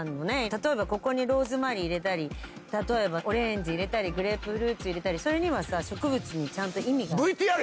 例えばここにローズマリー入れたり例えばオレンジ入れたりグレープフルーツ入れたりそれにはさ植物にちゃんと意味がある。